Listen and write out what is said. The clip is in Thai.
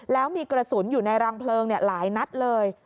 แล้วมีกระสุนอยู่ในรังเพลิงหลายนัดเลย